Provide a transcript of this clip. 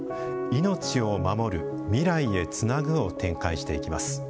「命をまもる未来へつなぐ」を展開していきます。